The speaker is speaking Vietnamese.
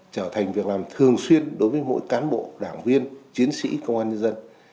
trở thành việc làm thường xuyên đối với mỗi cán bộ đảng viên chiến sĩ công an nhân dân